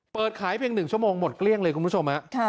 เปิดขายเพียง๑ชั่วโมงหมดเกลี้ยงเลยคุณผู้ชม